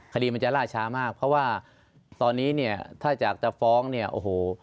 คดีมันจะล่าช้ามากเพราะว่าตอนนี้เนี่ยถ้าอยากจะฟ้องเนี่ยโอ้โห